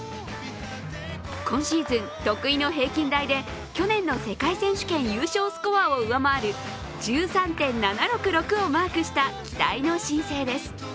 今シーズン、得意の平均台で去年の世界選手権優勝スコアを上回る１３．７６６をマークした期待の新星です。